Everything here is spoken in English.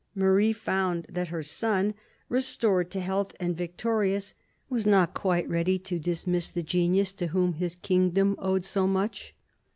Marie found that her son, restored to health and victorious, was not quite ready to dismiss the genius to whom his kingdom owed so much.